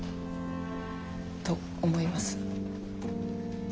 と思います。